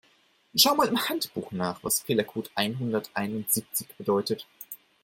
Schau mal im Handbuch nach, was Fehlercode einhunderteinundsiebzig bedeutet.